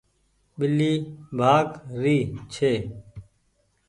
ٻلي ڀآگ ري ڇي۔